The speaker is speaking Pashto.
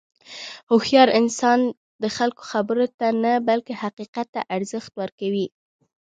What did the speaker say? هوښیار انسان د خلکو خبرو ته نه، بلکې حقیقت ته ارزښت ورکوي.